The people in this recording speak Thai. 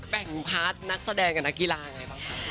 งพาร์ทนักแสดงกับนักกีฬาไงบ้างคะ